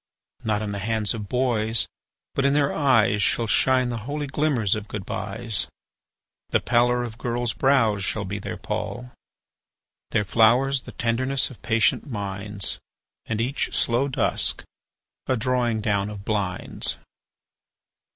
Not in the hands of boys, but in their eyes Shall shine the holy glimmers of good byes. The pallor of girls' brows shall be their pall; Their flowers the tenderness of patient minds, And each slow dusk a drawing down of blinds.